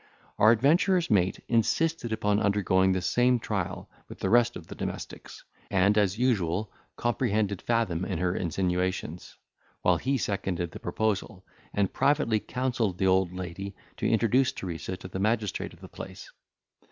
Our adventurer's mate insisted upon undergoing the same trial with the rest of the domestics, and, as usual, comprehended Fathom in her insinuations; while he seconded the proposal, and privately counselled the old lady to introduce Teresa to the magistrate of the place.